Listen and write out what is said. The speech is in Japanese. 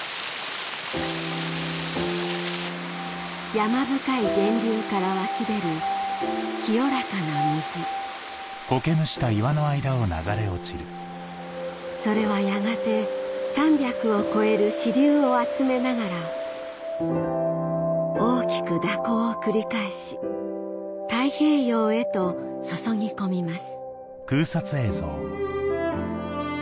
山深い源流から湧き出る清らかな水それはやがて３００を超える支流を集めながら大きく蛇行を繰り返し太平洋へと注ぎ込みます